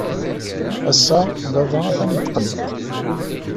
Ass-a, baba atan yetqelleq.